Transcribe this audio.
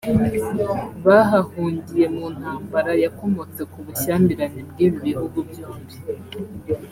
bahahungiye mu ntambara yakomotse ku bushyamirane bw’ibi bihugu byombi